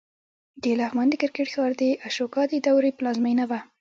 د لغمان د کرکټ ښار د اشوکا د دورې پلازمېنه وه